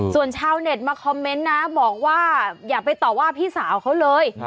ส่วนชาวเน็ตมาคอมเมนต์นะบอกว่าอย่าไปต่อว่าพี่สาวเขาเลย